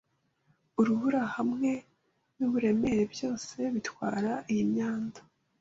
Urubura hamwe nuburemere byose bitwara iyi myanda